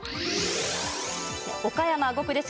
岡山５区です。